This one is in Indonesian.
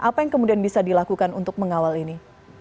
apa yang kemudian bisa dilakukan untuk mengawal ini